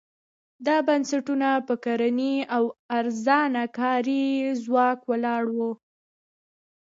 دا بنسټونه پر کرنې او ارزانه کاري ځواک ولاړ وو.